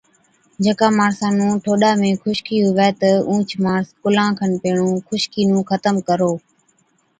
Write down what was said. جڪا ماڻسا نُون ٺوڏا ۾ خُشڪِي هُوَي تہ اُونهچ ماڻس ڪُلان کن پيهڻُون خُشڪِي نُون ختم ڪرو۔